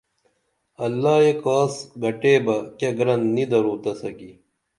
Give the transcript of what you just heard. اللہ یہ کاس گھٹے بہ کیہ گرن نی درو تسہ کی